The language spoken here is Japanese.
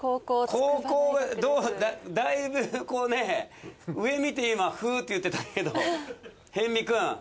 後攻がだいぶこうね上見て今フーッて言ってたけど逸見くん。